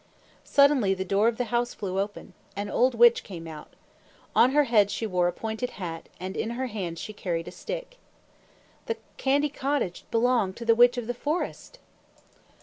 Suddenly the door of the house flew open. An old witch came out. On her head she wore a pointed hat, and in her hand she carried a stick. The candy cottage belonged to the Witch of the Forest.